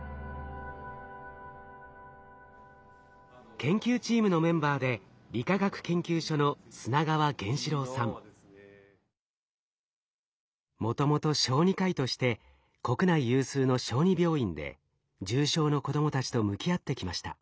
研究チームのメンバーで理化学研究所のもともと小児科医として国内有数の小児病院で重症の子供たちと向き合ってきました。